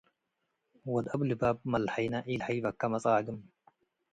ወድ አብ ላብብ መለሀይነ ኢለሀይበከ መጻግም፣